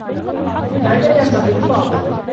ماذا ينتظر فاضل؟